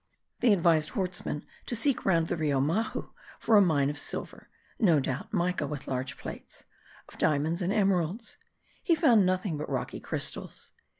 They advised Hortsmann to seek round the Rio Mahu for a mine of silver (no doubt mica with large plates), of diamonds, and emeralds. He found nothing but rocky crystals.